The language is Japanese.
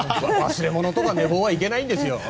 忘れ物や寝坊はいけないですよ。